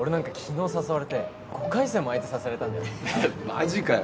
マジかよ。